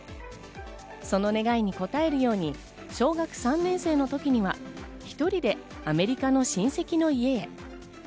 その願いにこたえるように小学３年生の時には１人でアメリカの親戚の家へ。